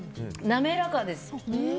滑らかです。